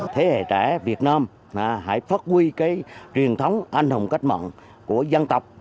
thế hệ trẻ việt nam hãy phát huy cái truyền thống anh hùng cách mạng của dân tộc